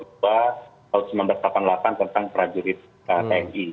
tahun seribu sembilan ratus delapan puluh delapan tentang prajurit tni